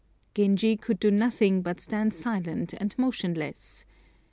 Genji could do nothing but stand silent and motionless.